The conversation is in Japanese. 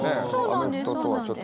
アメフトとはちょっと。